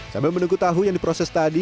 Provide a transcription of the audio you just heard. sambil menunggu tahu yang diproses tadi